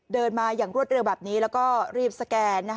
เดินมาอย่างรวดเร็วแบบนี้แล้วก็รีบสแกน